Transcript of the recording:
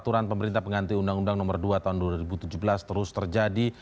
aturan pemerintah pengganti undang undang nomor dua tahun dua ribu tujuh belas terus terjadi